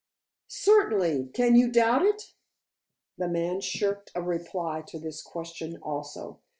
"Certainly! Can you doubt it?" The man shirked a reply to this question also.